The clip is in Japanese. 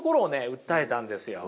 訴えたんですよ。